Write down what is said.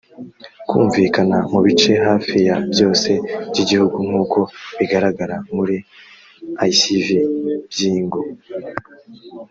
kumvikana mu bice hafi ya byose by igihugu nk uko bigaragara muri eicv by ingo